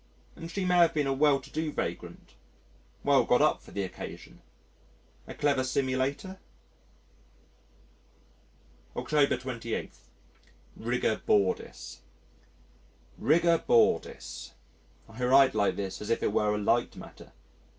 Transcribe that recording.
And she may have been a well to do vagrant well got up for the occasion a clever simulator?... October 28. Rigor Bordis Rigor bordis! I write like this as if it were a light matter.